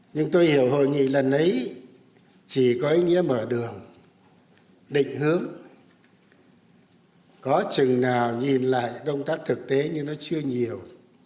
nhưng tôi hiểu hội nghị lần ấy chỉ có ý nghĩa mở đường định hướng có chừng nào nhìn lại công tác thực tế nhưng nó chưa nhiều